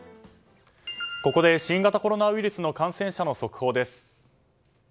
ここで新型コロナウイルスの感染者の速報です。